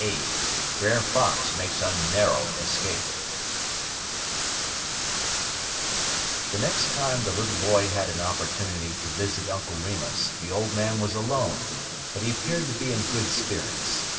LXVIII BRER FOX MAKES A NARROW ESCAPE The next time the little boy had an opportunity to visit Uncle Remus the old man was alone, but he appeared to be in good spirits.